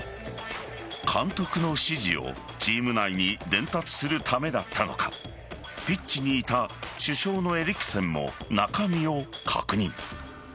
監督の指示をチーム内に伝達するためだったのかピッチにいた主将のエリクセンも中身を確認。